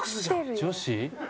女子？